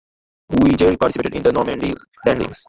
Widgery participated in the Normandy landings.